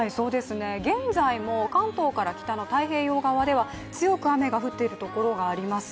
現在も関東から北の太平洋側では強く雨が降っているところがあります。